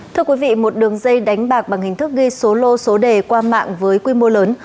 thưa quý vị một đường dây đánh bạc bằng hình thức ghi số lô số đề qua mạng với quy mô lớn